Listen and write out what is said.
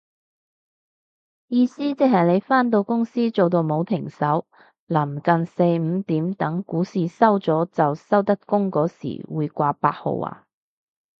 意思即係你返到公司做到冇停手，臨近四五點等股市收咗就收得工嗰時會掛八號啊